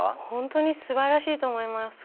本当にすばらしいと思います。